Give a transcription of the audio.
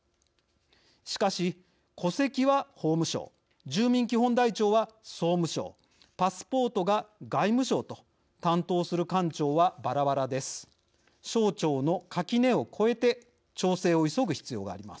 しかし、戸籍は法務省住民基本台帳は総務省パスポートが外務省と担当する官庁は、ばらばらです。